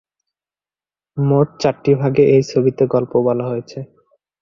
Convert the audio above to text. মোট চারটি ভাগে এ ছবিতে গল্প বলা হয়েছে।